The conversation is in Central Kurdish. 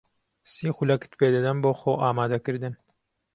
سی خولەکت پێ دەدەم بۆ خۆئامادەکردن.